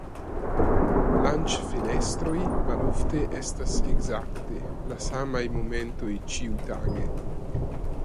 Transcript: Lanĉfenestroj malofte estas ekzakte la samaj momentoj ĉiutage.